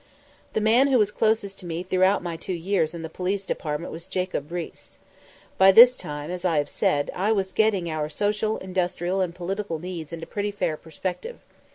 The man who was closest to me throughout my two years in the Police Department was Jacob Riis. By this time, as I have said, I was getting our social, industrial, and political needs into pretty fair perspective.